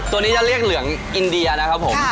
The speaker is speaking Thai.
ตัวนี้จะเรียกเหลืองอินเดียนะครับผม